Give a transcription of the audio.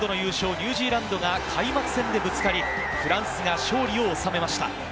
ニュージーランドが開幕戦でぶつかり、フランスが勝利を収めました。